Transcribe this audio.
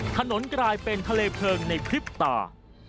ถนนกลายเป็นทะเลเพลิงในพริบตา